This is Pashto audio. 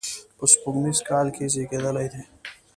په سپوږمیز کال کې زیږېدلی دی.